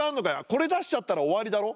これ出しちゃったら終わりだろ？」。